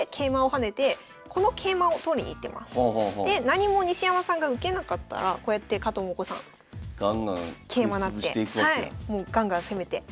何も西山さんが受けなかったらこうやって加藤桃子さん桂馬成ってガンガン攻めて勝ちます。